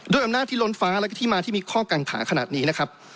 อำนาจที่ล้นฟ้าแล้วก็ที่มาที่มีข้อกังขาขนาดนี้นะครับ